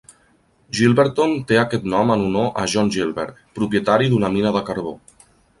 Gilberton té aquest nom en honor a John Gilbert, propietari d'una mina de carbó.